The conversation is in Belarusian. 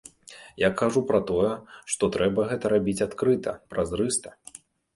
Я кажу пра тое, што трэба гэта рабіць адкрыта, празрыста.